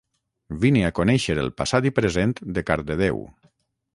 Vine a conèixer el passat i present de Cardedeu